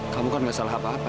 kamu kan nggak salah apa apa